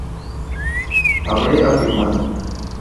habré afirmado